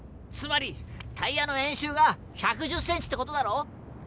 つまりタイヤの円周が１１０ｃｍって事だろう！